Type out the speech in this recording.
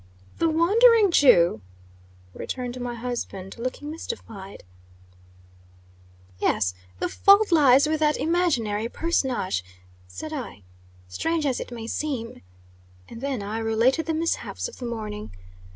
"The Wandering Jew!" returned my husband, looking mystified. "Yes, the fault lies with that imaginary personage," said I, "strange as it may seem." And then I related the mishaps of the morning.